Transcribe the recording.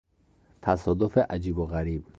تصادف عجیب و غریب